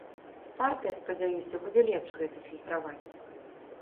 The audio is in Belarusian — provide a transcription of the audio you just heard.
Партыя, спадзяюся, будзе лепш гэта фільтраваць.